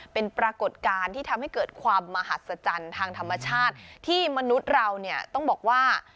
เป็นปรากฏการณ์ที่ทำให้เกิดความมหัศจรรย์ทางธรรมชาติที่มนุษย์เราเนี่ยต้องบอกว่า